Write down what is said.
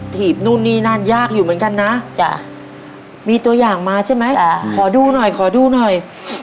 ถีบนู่นนี่นั่นยากอยู่เหมือนกันนะมีตัวอย่างมาใช่ไหมขอดูหน่อยขอดูหน่อย